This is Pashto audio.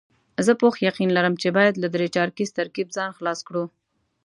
زه پوخ یقین لرم چې باید له درې چارکیز ترکیب ځان خلاص کړو.